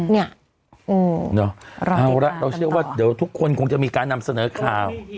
นี่รอดีกว่าต่อเอาล่ะเราเชื่อว่าเดี๋ยวทุกคนคงจะมีการนำเสนอข่าว